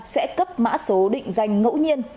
sẽ cấp mã số định danh ngẫu nhiên